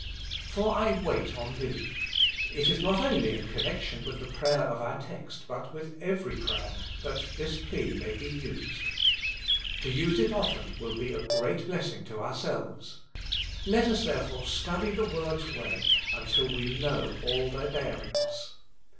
* For I wait on Thee ': it is not only in con nection with the prayer of our text but with every prayer that this plea may be used. To use it often will be a great blessing to ourselves. Let us therefore study the words well until we know all their bearings.